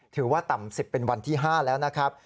ถือว่าต่ำ๑๐เป็นวันที่๕แล้วนะครับ